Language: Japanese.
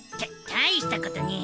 大したことねえよ。